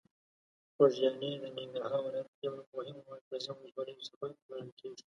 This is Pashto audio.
خوږیاڼي د ننګرهار ولایت یو له مهمو مرکزي ولسوالۍ څخه شمېرل کېږي.